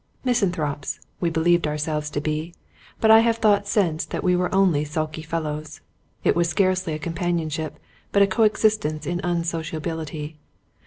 Misanthropes, we believed our selves to be; but I have thought since that we were only sulky fellows. It was scarcely a companionship, but a co existence in unsociability.